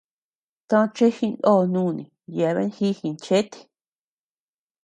Tochi jino nùni yeaben ji ginchéte.